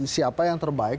siapa yang terbaik